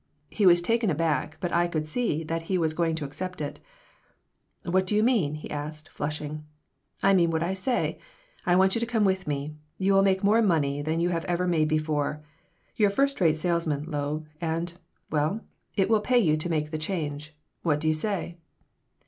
He was taken aback, but I could see that he was going to accept it "What do you mean?" he asked, flushing "I mean what I say. I want you to come with me. You will make more money than you have ever made before. You're a first rate salesman, Loeb, and well, it will pay you to make the change. What do you say?"